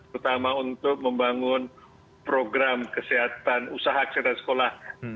terutama untuk membangun program kesehatan usaha kesehatan sekolah